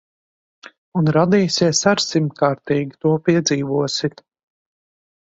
Un radīsies ar simtkārtīgi. To piedzīvosit.